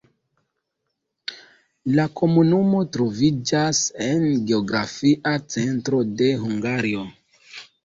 La komunumo troviĝas en geografia centro de Hungario.